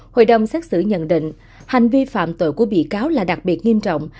hội đồng xét xử nhận định hành vi phạm tội của bị cáo là đặc biệt nghiêm trọng